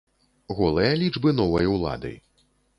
Голыя лічбы новай улады.